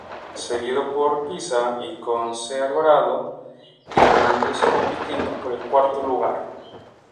Seguido por Piza y con C. Alvarado y Hernández compitiendo por el cuarto lugar.